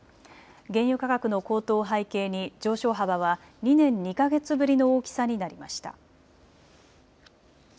原油価格の高騰を背景に上昇幅は２年２か月ぶりの大きさになりました。